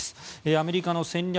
アメリカの戦略